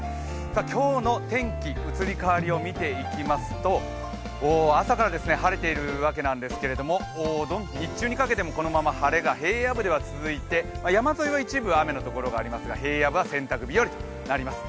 今日の天気、移り変わりを見ていきますと、朝から晴れているわけなんですけれども日中にかけてもこのまま晴れが続いて山沿いは一部雨のところがありますが、洗濯日和ですよ